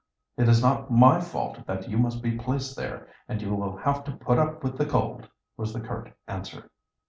"It is not my fault that you must be placed there, and you will have to put up with the cold," was the curt answer.